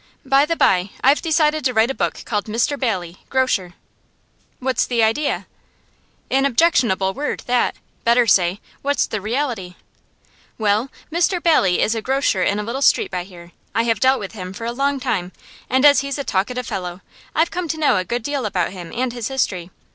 By the bye, I've decided to write a book called "Mr Bailey, Grocer."' 'What's the idea?' 'An objectionable word, that. Better say: "What's the reality?" Well, Mr Bailey is a grocer in a little street by here. I have dealt with him for a long time, and as he's a talkative fellow I've come to know a good deal about him and his history.